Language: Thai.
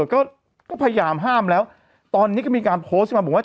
ก็ก็พยายามห้ามแล้วตอนนี้ก็มีการโพสต์มาบอกว่า